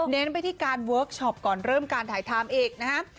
เน้นไปที่การเวิร์กชอปก่อนเริ่มการถ่ายทามเอกนะฮะ